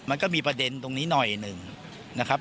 มันก็มีประเด็นตรงนี้หน่อยหนึ่งนะครับ